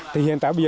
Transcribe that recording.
thì hiện tại bây giờ